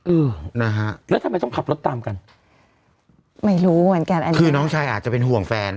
เออนะฮะแล้วทำไมต้องขับรถตามกันไม่รู้เหมือนกันอันนี้คือน้องชายอาจจะเป็นห่วงแฟน